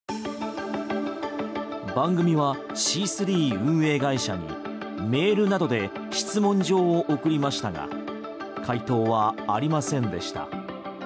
番組はシースリー運営会社にメールなどで質問状を送りましたが回答はありませんでした。